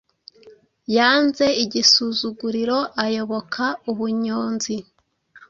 Yanze ‘Igisuzuguriro’ ayoboka ubunyonzi